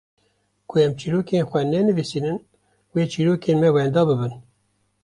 ku em çîrokên xwe nenivîsînin wê çîrokên me wenda bibin.